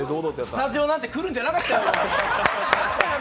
スタジオなんて来るんじゃなかった。